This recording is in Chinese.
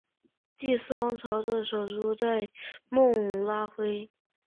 第四王朝的首都在孟菲斯。